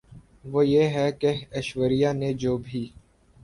وہ یہ ہے کہ ایشوریا نے جو بھی